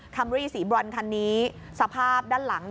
รี่สีบรอนคันนี้สภาพด้านหลัง